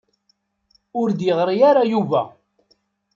Ur d-yeɣri ara Yuba.